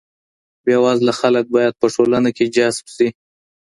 بې وزله خلګ باید په ټولنه کي جذب سي.